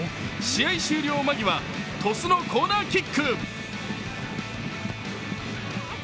試合終了間際、鳥栖のコーナーキック。